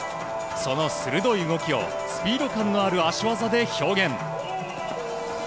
その鋭い動きをスピード感のある脚技で表現。